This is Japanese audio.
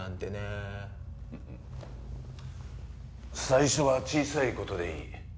最初は小さい事でいい。